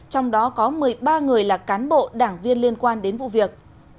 trong đó có một mươi ba người là cán bộ đảng viên liên quan đến vụ việc